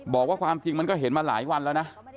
บอกว่าความจริงมันก็เห็นมาหลายวันแล้วนะ